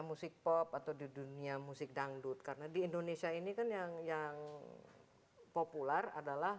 musik pop atau di dunia musik dangdut karena di indonesia ini kan yang populer adalah